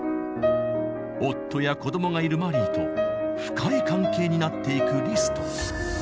夫やこどもがいるマリーと深い関係になっていくリスト。